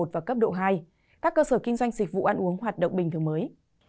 và cấp độ hai các cơ sở kinh doanh dịch vụ ăn uống hoạt động bình thường mới